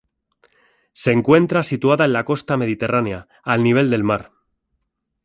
Se encuentra situada en la costa mediterránea, al nivel del mar.